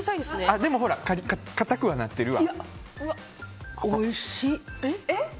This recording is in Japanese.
でも、ほら硬くはなってるわ。